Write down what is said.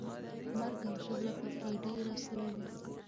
مرګ او ژوبله به پکې ډېره سوې وي.